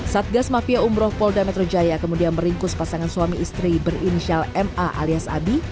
satgas mafia umroh polda metro jaya kemudian meringkus pasangan suami istri berinisial ma alias abi